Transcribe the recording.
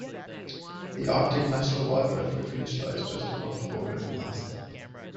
The Arctic National Wildlife Refuge lies just across the border in Alaska.